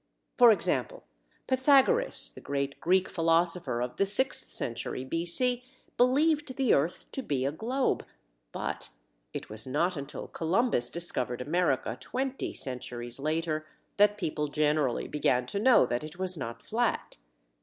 For example, Pythagorus, the great Greek philosopher of the sixth century B. C., believed the earth to be a globe, but it was not until Columbus discovered America—twenty centuries later—that people generally began to know that it was not flat.